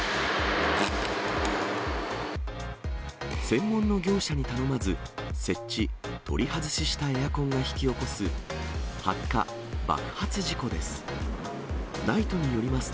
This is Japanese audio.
専門の業者に頼まず、設置、取り外ししたエアコンが引き起こす発火、爆発事故です。